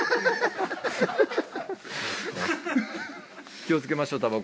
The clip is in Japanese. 気を付けましょうタバコ。